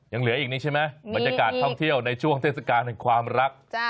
ยังเหลืออีกนี้ใช่ไหมบรรยากาศท่องเที่ยวในช่วงเทศกาลแห่งความรัก